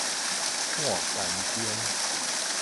半奸忠